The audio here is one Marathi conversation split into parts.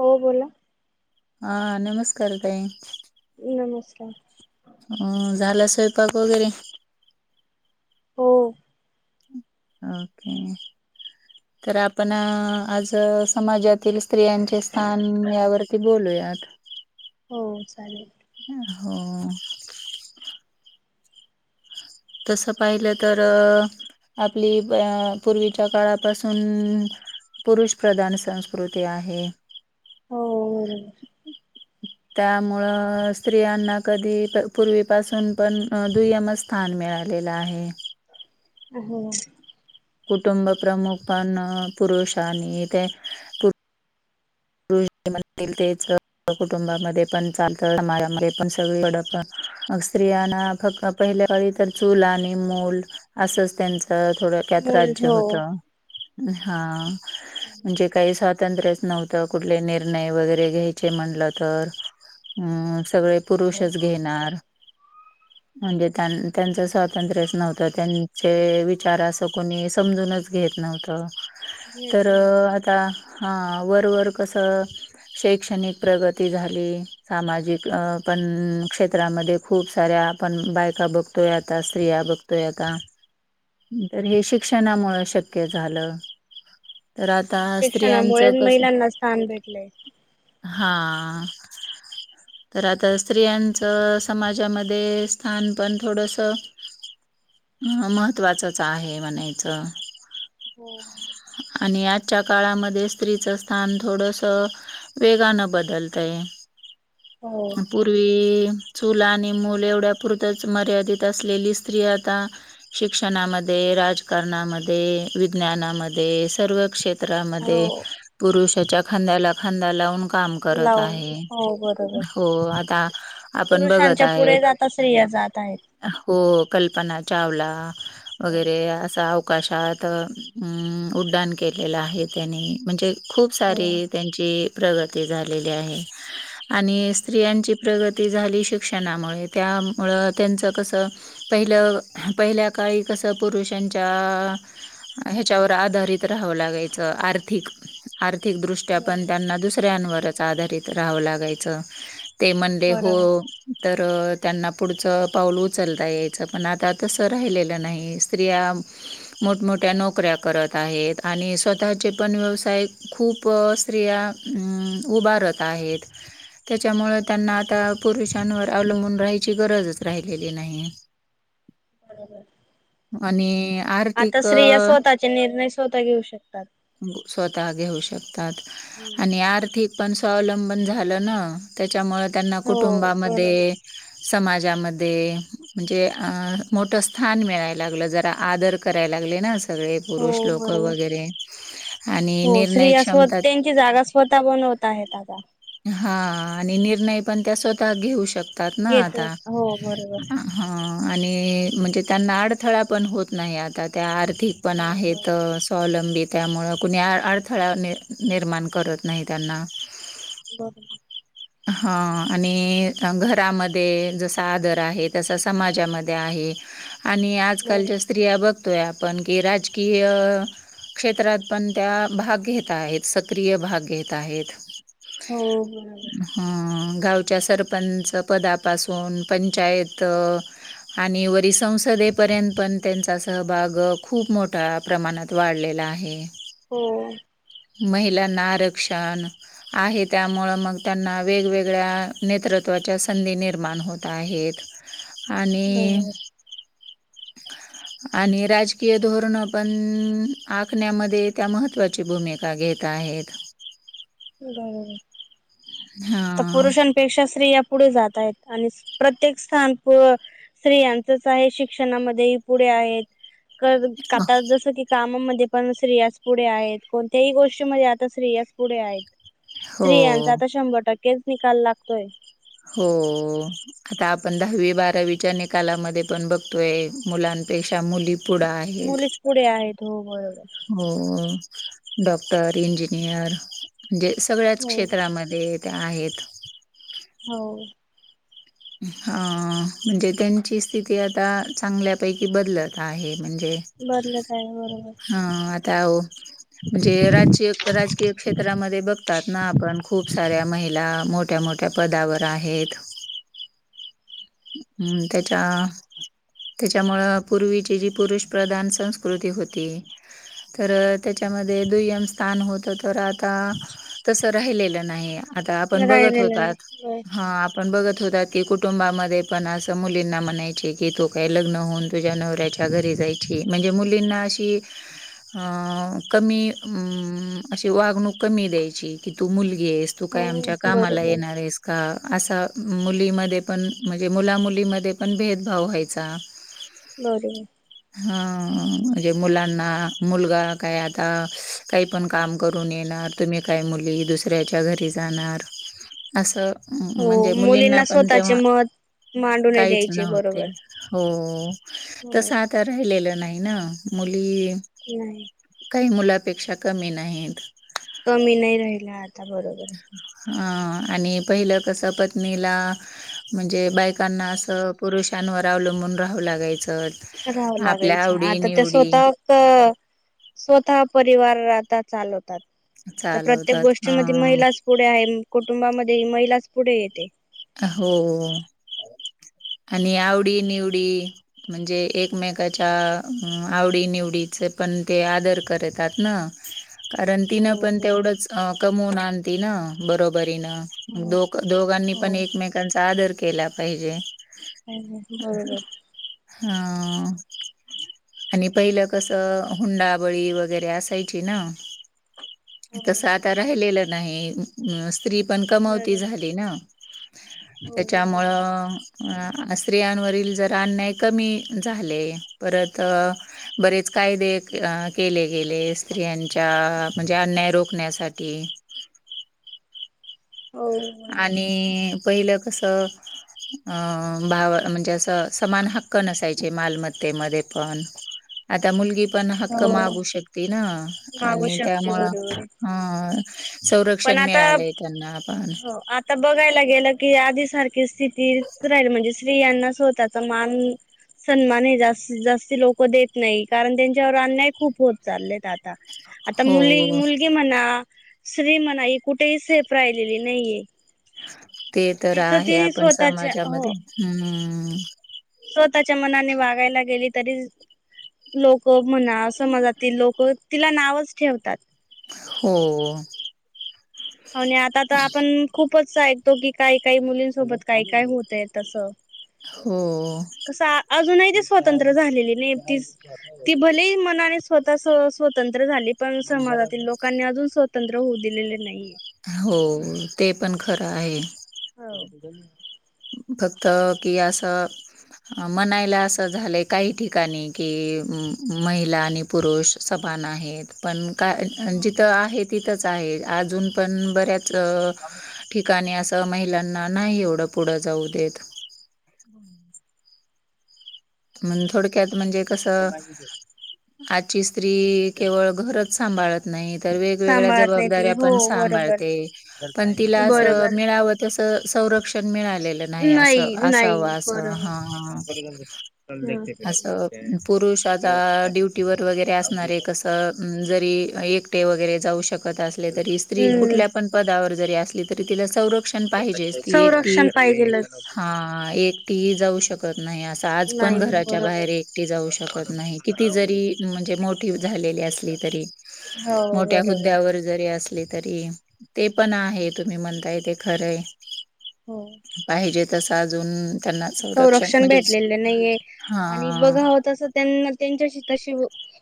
हो बोला! हा नमस्कार ताई. नमस्कार. हूं झाला स्वयंपाक वगैरे? हो! ओके! तर आपण आज समाजातील स्त्रियांचे स्थान यावरती बोलूयात. हो चालेल. हो! तसं पाहिलं तर. आपली अ पूर्वीच्या काळापासून पुरुष प्रधान संस्कृती आहे. हो बरोबर. त्यामुळं स्त्रियांना कधी त पूर्वीपासून पण दुय्यमसं. स्थान मिळालेलं आहे. हो! कुटुंब प्रमुख पन पुरुषांनी ते पु [unintelligible] कुटुंबामध्ये पण चालत, समाजामध्ये पण सगळी कडपन, स्त्रियांना फ पहिल्या काळी तर चूल आणि मुल असंच त्यांच त थोडंक्यात मूल राज्य हो होत हा. म्हणजे काही स्वातंत्र्यच नव्हतं कुठले निर्णय वगैरे घ्यायचे म्हणलं तर. हूं सगळे हो पुरुषच घेणार. म्हणजे त्यां त्यांचं स्वातंत्र्यच नव्हतं त्यांचे विचार असं कोणी समजूनच घेत नव्हतं घेत तर नव्हतं आता बरोबर हां वरवर कसं. शैक्षणिक प्रगती झाली. सामाजिक अ पण क्षेत्रामध्ये खूप साऱ्या आपण बायका बघतोय, आता स्त्रिया बघ तोय आता तर हे शिक्षणामुळे शक्य झालं. तर आता स्त्रियांच शिक्षणामुळे कसं. महिलांना स्थान भेटलय. हा! तर आता स्त्रियांचं समाजामध्ये स्थान पण थोडंस म महत्त्वाचच आहे म्हनायचं. हो! आणि आजच्या काळामध्ये स्त्रीचं स्थान थोडस वेगानं बदलतय हो पूर्वी चूल आणि मूल एवढ्या पुुरतंच मर्यादित असलेली स्त्री आता शिक्षणामध्ये, राजकारणामध्ये, विज्ञानामध्ये सर्व क्षेत्र त्रा मध्ये हो पुरुषाच्या खांद्याला खांदा लावून काम करत लावून आहे, हो बरोबर हो आता आपण बघत पुरुषांच्या पुढे आहेत. जाता स्त्रिया जात आहेत. हो, कल्पना चावला हो वगैरे असा अवकाशात, उड्डाण केलेलं आहे त्यानी म्हणजे खूप हो सारे त्यांची प्रगती झालेली आहे आणि स्त्रियांची प्रगती झाली शिक्षणामुळे, त्यामुळं त्येंचा कस पहिलं, पहिल्या काळी कसं पुरुषांच्या हेच्यावर आधारित राहावं लागायचं आर्थिक आर्थिकदृष्ट्या बर पण त्यांना दुसऱ्यांनवरच आधारित राहावं लागायच. ते म्हडले हो बरोबर तर त्यांना पुढचं पाऊल उचलता यायचं, पण आता तसं राहिलेलं नाही. स्त्रिया मोठ-मोठ्या नोकऱ्या करत आहेत आणि स्वतःचे पण व्यवसाय खूप स्त्रिया अं, उभारत आहेत. त्याच्यामुळ त्यांना आता पुरुषांनवर अवलंबून राहायची गरजच राहिलेली नाही. [unintelligible] [unintelligible] आणि आर्थिक ते निर्णय स्वतःता घेऊ शकतात. स्वतःता घेऊ शकतात आणि आर्थिक पण स्वावलंबन झालं ना. त्याच्यामुळे त्यांना हो बरोबर कुटुंबामध्ये समाजामध्ये म्हणजे मोठ स्थान मिळाय लागलं जरा आदर कराय लागले ना सगळे पुरुष हो लोक बरोबर वगैरे आणि हो, निर्णय स्त्रिया क्षमता त्यांची जागा स्वतःता बनवत आहेत आता. हा आणि निर्णय पण त्या स्वतःता घेऊ शकतात ना घेत आता हो बरोबर हा आणि म्हणजे त्यांना आडथळा पण होत नाही, आता त्या आर्थिक पण हो आहेतच. स्वावलंबी त्यामुळं कुणी आ, अडथळा नि निर्माण करत नाही त्यांना [unintelligible] हा आणि घरामध्ये जसा आदर आहे, तसा समाजामध्ये आहे. आणि बरोबर आजकालच्या स्त्रिया बघतोय आपण की राजकीय क्षेत्रात पण त्या भाग घेत आहेत, सक्रिय भाग घेत आहेत. हो बरोबर हम्म गावच्या सरपंच पदापासून पंचायत आणि वरी संसदेपर्यंत पण त्येंचा सहभाग खूप मोठा प्रमाणात वाढलेला आहे. हो महिलांना आरक्षण, आहे त्यामुळं मंग त्यांना वेगवेगळ्या नेतृत्वाच्या संधी निर्माण होत आहेत. आणि बरोबर आणि राजकीय धोरण पण, आखण्यामध्ये त्या महत्त्वाची भूमिका का घेत आहेत. बरोबर. आता हां पुरुषांपेक्षा स्त्रिया पुढे जात आहेत आणि प्रत्येक स्थान प स्त्रियांचच आहे शिक्षणामध्येही पुढे आहेत. क आता जस की कामामध्ये पण स्त्रियांच पुढे आहेत, कोणत्याही गोष्टीमध्ये आता स्त्रियांच पुढे आहेत. हो स्त्रियांचा आता शंभर टक्केच निकाल लागतोय. हो हो आता आपण दहावी बारावीच्या निकालामध्ये पण बघतोय मुलांपेक्षा मुली पुढं आहेत. मुलीच पुढे आहेत हो बरोबर. हो डॉक्टर, इंजिनियर, म्हणजे सगळ्यांचं हो क्षेत्रामध्ये त्या आहेत. हो... ह म्हणजे त्यांची स्थिती आता चांगल्यापैकी बदलत आहे म्हणजे, बदलत आहे बरोबर. ह आता ओ, म्हणजे राजिक राजकीय क्षेत्रामध्ये बघतात ना आपण खूप साऱ्या महिला मोठ मोठ्या मोठ्या पदावर आहेत. हम् हम् त्यांच्या, त्याच्यामुळं पूर्वीची जी पुरुष प्रधान संस्कृती होती. तर त्यांच्यामध्ये दुय्यम स्थान होत तर आता, तसं राहिलेलं नाही, आता आपण बघत राहिलेलं होतात. नाही आपण बघत होतात की कुटुंबामध्ये पण अस मुलींना म्हणायचे की तु काय लग्न होऊन तुझ्या नवऱ्याच्या घरी जायची ए म्हणजे मुलींना अशी हा कमी हम्म अशी वागणूक कमी द्यायची की तू मुलगी आहेस. तू हो काय आमच्या कामाला बरोबर येणार आहेस का. असा मुलीमध्ये पण, म्हणजे मुलामुलीमध्ये पण भेदभाव व्हायचा. बरोबर. हा म्हणजे मुलांना मुलगा काय आता. काही पण काम करून येणार. तुम्ही काय मुली दुसऱ्याच्या घरी जाणार असं हो म्हणजे मुलींना पण स्वतःचे तेव्हा मत मांडू नाही काहीच द्यायचे नव्हते. बरोबर हो हो तसं आता राहिलेलं नाही ना मुली नाही. कांहीं मुलापेक्षा कमी नाहीत. कमी नाही राहिल्या आता, बरोबर. हा आणि पहिलं कस पत्नीला. म्हणजे बायकांना असं पुरुषांवर अवलंबून राहावं लागायचं. राहावं आपल्या लागायचं आवडी आता त्या निवडी स्वतः अ स्वतः परिवार आता चालवतात. तर प्रत्येक चालवतात गोष्टी अ मध्ये महिलाचं पुढे आहे, कुटुंबामध्ये ही महिलाच पुढे येते. अ हो! आणि आवडी निवडी. म्हणजे एकमेकांच्या आवडी निवडीचे पण ते आदर करतात ना, कारण तिनं हो पण बरोबर तेवढंच अ कमवून आणती ना बरोबरीनं हो दोघ दोघांनी पण हो एकमेकांचा आदर केला पाहिजे. काही नाही बरोबर. हा आणि पहिलं कसं हुंडाबळी वगैरे असायची ना. हो तसं आता राहिलेलं नाही अ स्त्री पण कमवती बर झाली ना. हो बरोबर त्याच्यामुळं अ स्त्रियांवरील जरा अन्याय कमी झाले, परत अ बरेच कायदे अ केले गेले स्त्रियांच्या म्हणजे अन्याय रोखण्यासाठी. हो. बरोबर आणि आहे पहिलं कसं अं भाव म्हणजे असं समान हक्क नसायचे मालमत्तेमध्ये पण. आता मुलगी पण हक्क हो मागू शकती ना मागू आणि शकते त्यामुळं, बरोबर आहे ह्. पण संरक्षण आता मिळालंय त्यांना पण. हो आता बघायला गेलं की आधी सारखी स्थितीच राहीली म्हणजे स्त्रीयांना स्वतःचा मान. सन्मान हे जास्तीत जास्ती लोक देत नाही कारण त्यांच्यावर अन्याय खूप होत चाललेत आता. ‌ आता मुली, हो मुलगी म्हणा स्त्री म्हणा ही कुठेही सेफ राहिलेली नाहीये. ते तर तिचं आहे ती आपण स्वतःच्या समाजामध्ये, हो हम्म. स्वतःच्या मनाने वागायला गेली तरी. लोक म्हणा समजातील लोक तिला नावच ठेवतात. हो. आणि आता तर आपण खूपच ऐकतो की काही काही मुलींसोबत काय काय होतय तसं. हो. कसं अजूनही ते स्वतंत्र झालेली [unintelligible] तिच. ती भलेही मनाने स्वतः स्वतंत्र झाली पण समाजातील लोकांनी अजून स्वत स्वतंत्र होऊ दिलेले नाहीये. हो ते पण खरं आहे. हो. फक्त की असं अ म्हणायला असं झालंय काही ठिकाणी कि, महिला आणि पुरुष समान आहेत. पण काय जिथं आहे तिथंच आहे अजून पण बऱ्याचं ठिकाणी असं महिलांना नाही एवढं पुढं जाऊ देत. [inaudible] मण थोडक्यात म्हणजे कसं आजची स्त्री केवळ घरच सांभाळत नाही तर वेगवेगळ्या सांभाळत नाही ती जबाबदऱ्या हो पण बरोबर. सांभाळते पण तिला असं बरोबर मिळावत तसं संरक्षण मिळालेलं नाही असं, असावं नाही असं बरोबर. हा. असं पुरुष आता ड्युटीवर वगैरे असणारे कसं अ जरी एकटे वगैरे जाऊ शकत असले तरी स्त्री हम्म कुठल्या पण पदावर जरी असली तरी तिला संरक्षण पाहिजेच ती एकटी, संरक्षण पाहिजेलच. हा एक ती जाऊ शकत नाही असा. पण नाही घराच्या बाहेर बरोबर एकटी जाऊ शकत नाही किती जरी म्हणजे मोठी झालेली असली तरी. हो मोठ्या बरोबर. हुद्द्यावर जरी असली तरी, ते पण आहे तुम्ही म्हणताय ते खरंय. हो. पाहिजे तस अजून त्यांना संरक्षण म्हणजे भेटलेले नाहीे आणि हा बघाव तस त्यांना त्यांच्याशी तशी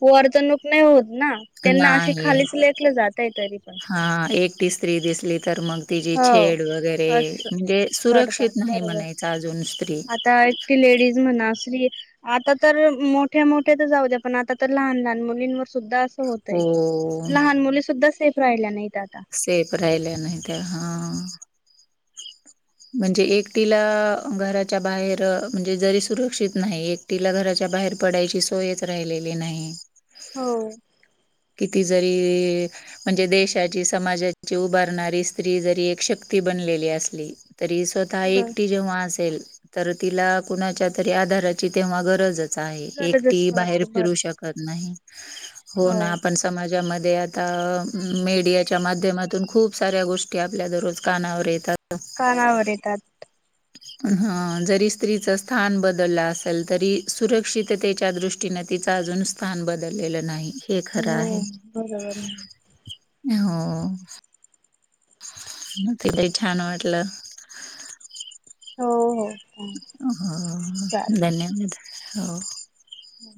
वर्तणूक नाही होत ना त्यांना अशी नाही खालीच लेटल जात आहे तरी पण हां एक ती स्त्री दिसली तर मग तिची हो छेड वगैरे असं म्हणजे सुरक्षित करतात नाही म्हणायच अजून स्त्री ते लेडीज म्हणा आता तर मोठ्या मोठे तर जाऊ द्या पण आता तर लहान लहान मुलींवर सुद्धा होतय हो. लहान मुली सुुद्धा सेफ राहिल्या नाहीत आता- सेफ राहील्या नाही ता म्हणजे एकटीला घराच्या बाहेर म्हणजे जरी सुरक्षित नाही एक तिला घराच्या बाहेर पडायची सोयच राहिलेली नाही हो किती जरी म्हणजे देशाची समाजाची उभारणारी स्त्री जरी एक शक्ती बनलेली असली तरी‌ स्वतः आता बर एकटी जेव्हा असेल तर तिला कुणाच्या तरी आधाराची तेव्हा गरजच- गरजच एकटी बाहेर पडते बर फिरू शकत नाही हो ना आपण समाजामध्ये आता मीडियाच्या माध्यमातुन खुप साऱ्या गोष्टी आपल्या दररोज कानावर येतात कानावर येतात ह [inaudible] हं जरी स्त्रीच स्थान बदलल असेल तरी सुरक्षिततेच्या दृष्टीने तिचा अजुन स्थान बदललेल नाही हे खर हो आहे बरोबर हो ताई छान वाटल हो हो हो चालेल धन्यवाद हो हम